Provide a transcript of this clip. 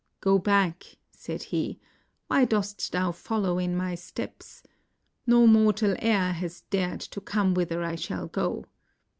" Go back," said he; "why dost thou follow in my steps? Xo mortal e'er has dared to come whither I shall go.